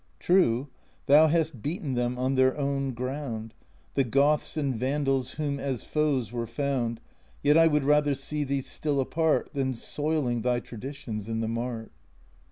True, thou hast beaten them on their own ground, The Goths and Vandals whom as foes were found, Yet I would rather see thee still apart Than soiling thy traditions in the mart.